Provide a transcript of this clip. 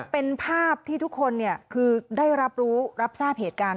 เป็นภาพที่ทุกคนคือได้รับรู้รับทราบเหตุการณ์